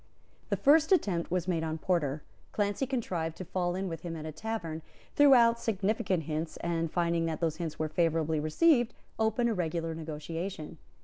The first attempt was made on Porter. Clancy contrived to fall in with him at a tavern, threw out significant hints, and, finding that those hints were favourably received, opened a regular negotiation.